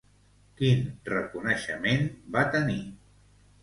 Quin reconeixement va tenir?